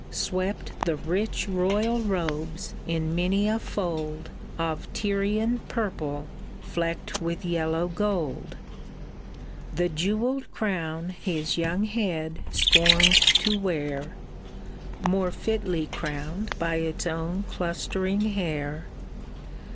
Swept the rich royal robes in many a fold Of Tyrian purple flecked with yellow gold. The jewelled crown his young head scorned to wear, More fitly crowned by its own clustering hair.